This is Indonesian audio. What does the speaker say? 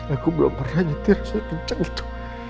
aku belum pernah nyetir sekenceng itu